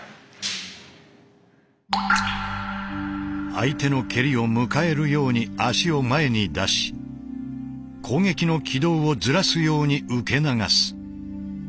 相手の蹴りを迎えるように足を前に出し攻撃の軌道をずらすように受け流す。